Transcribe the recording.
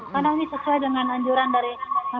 karena ini sesuai dengan anjuran dari